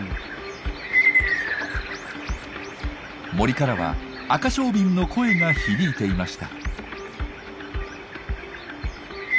森からはアカショウビンの声が響いていました。